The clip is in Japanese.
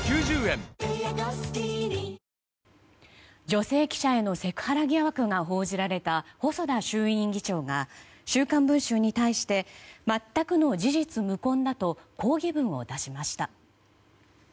女性記者へのセクハラ疑惑が報じられた細田衆院議長が「週刊文春」に対して全くの事実無根だと抗議文を出しました。